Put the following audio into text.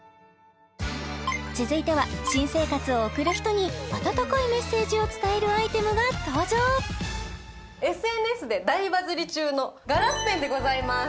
続いては新生活を送る人に温かいメッセージを伝えるアイテムが登場ＳＮＳで大バズり中のガラスペンでございます・